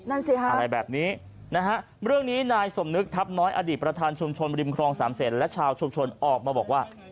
สิฮะอะไรแบบนี้นะฮะเรื่องนี้นายสมนึกทัพน้อยอดีตประธานชุมชนบริมครองสามเศษและชาวชุมชนออกมาบอกว่า